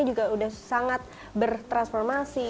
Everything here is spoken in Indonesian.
juga sudah sangat bertransformasi